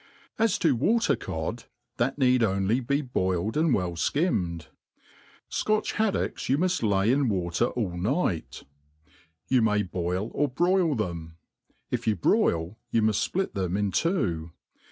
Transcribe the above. As to water^cod, that need only be boiled and well fktmmed^ Scotch haddocks you mull lay in water all night* You may boil or broil them. If you broil, you muft fplit them in two.